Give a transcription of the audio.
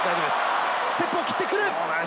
ステップを切ってくる。